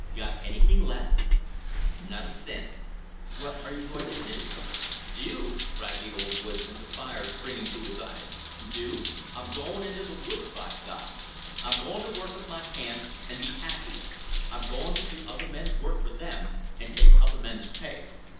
"Got anything left?" "Not a cent." "What are you going to do?" "Do!" cried the old woodsman, the fire springing to his eye. "Do! I'm going into the woods, by God! I'm going to work with my hands, and be happy! I'm going to do other men's work for them and take other men's pay.